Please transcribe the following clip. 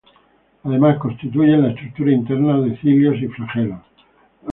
Además, constituyen la estructura interna de cilios y flagelos.